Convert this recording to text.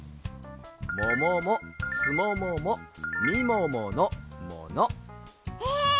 もももすもももみもものもの。え！